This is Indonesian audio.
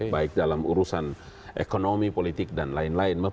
baik dalam urusan ekonomi politik dan lain lain